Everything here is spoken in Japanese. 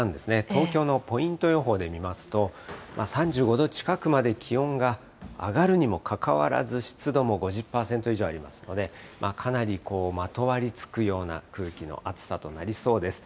東京のポイント予報で見ますと、３５度近くまで気温が上がるにもかかわらず、湿度も５０％以上ありますので、かなりまとわりつくような空気の暑さとなりそうです。